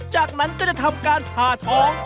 จากนั้นก็จะทำการผ่าท้อง